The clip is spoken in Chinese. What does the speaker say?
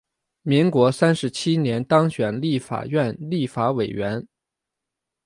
民国三十七年当选立法院立法委员。